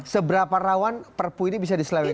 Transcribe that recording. seberapa rawan perpu ini bisa diseleweng